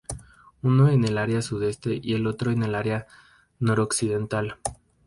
Uno en el área sudeste y el otro en el área noroccidental.